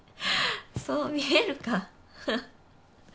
そう見えるか。